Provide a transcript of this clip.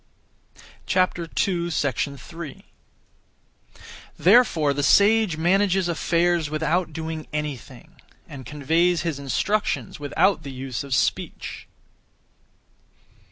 3. Therefore the sage manages affairs without doing anything, and conveys his instructions without the use of speech.